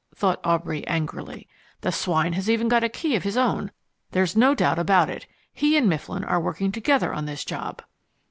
thought Aubrey angrily. "The swine has even got a key of his own. There's no doubt about it. He and Mifflin are working together on this job."